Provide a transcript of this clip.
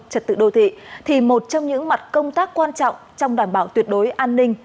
trật tự đô thị thì một trong những mặt công tác quan trọng trong đảm bảo tuyệt đối an ninh